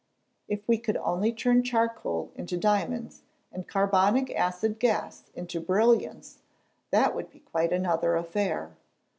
If we could only turn charcoal into diamonds, and carbonic acid gas into brilliants, that would be quite another affair.